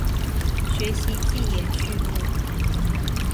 學習記言序目